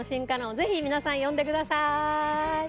ぜひ皆さん読んでください。